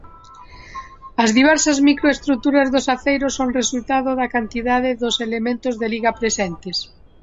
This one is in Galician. As diversas microestruturas dos aceiros son resultado da cantidade dos elementos de liga presentes.